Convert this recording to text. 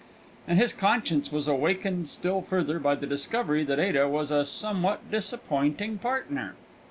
And his conscience was awakened still further by the discovery that Ada was a somewhat disappointing partner.